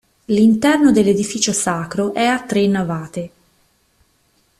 L'interno dell'edificio sacro è a tre navate.